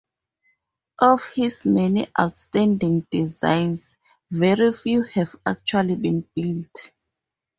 Of his many outstanding designs, very few have actually been built.